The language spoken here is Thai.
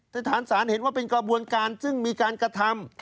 แต่ฐานศาลเห็นว่าเป็นกระบวนการซึ่งมีการกระทำ